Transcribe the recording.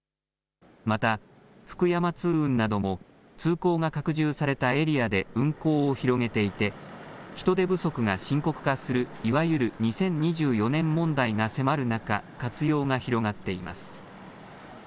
また福山通運なども通行が拡充されたエリアで運行を広げていて人手不足が深刻化するいわゆる２０２４年問題が迫る中、活用が広がっています。